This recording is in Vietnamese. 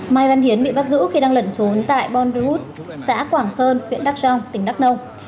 mai văn hiến bị bắt giữ khi đang lẩn trốn tại bon rue xã quảng sơn huyện đắc trong tỉnh đắc nông